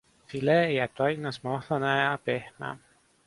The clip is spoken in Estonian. Filee jääb taignas mahlane ja pehme.